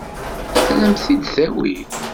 Ad m-t-id-tawi?